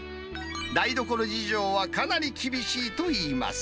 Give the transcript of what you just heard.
台所事情はかなり厳しいといいます。